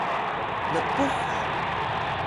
lpux ha